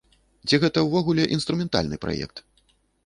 Ці гэта ўвогуле інструментальны праект?